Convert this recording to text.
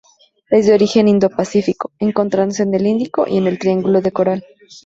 Es de origen Indo-Pacífico, encontrándose en el Índico y en el triángulo de coral.